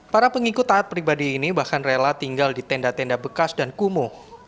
para pengikut taat pribadi ini bahkan rela tinggal di tenda tenda bekas dan kumuh